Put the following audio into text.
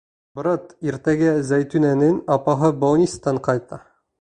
Брат, иртәгә Зәйтүнәнең апаһы болнистан ҡайта.